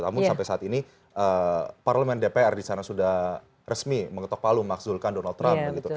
namun sampai saat ini parlemen dpr di sana sudah resmi mengetok palu memakzulkan donald trump